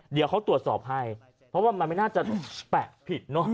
เดี๋ยวเขาตรวจสอบให้เพราะว่ามันไม่น่าจะแปะผิดเนอะ